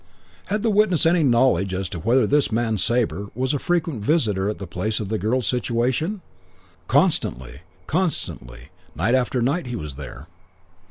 "Had the witness any knowledge as to whether this man Sabre was a frequent visitor at the place of the girl's situation? 'Constantly, constantly, night after night he was there!'